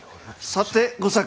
さて吾作。